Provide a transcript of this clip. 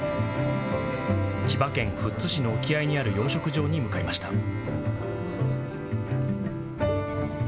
千葉県富津市の沖合にある養殖場に向かいました。